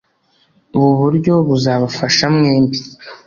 ubu buryo buzabafasha mwembi